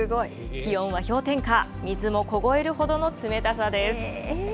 気温は氷点下、水も凍えるほどの冷たさです。